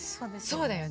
そうだよね。